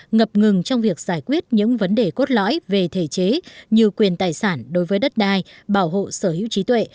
ngập ngừng trong việc giải quyết những vấn đề cốt lõi về thể chế như quyền tài sản đối với đất đai bảo hộ sở hữu trí tuệ